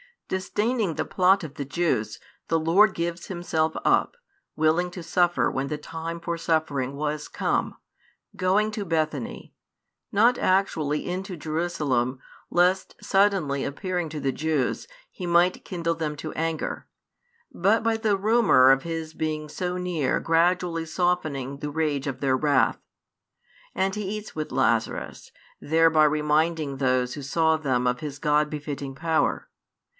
Disdaining the plot of the Jews, the Lord gives Himself up, willing to suffer when the time for suffering was come, |137 going to Bethany; not actually into Jerusalem, lest, suddenly appearing to the Jews, He might kindle them to anger; but by the rumour of His being so near gradually softening the rage of their wrath. And He eats with Lazarus, thereby reminding those who saw them of His God befitting power.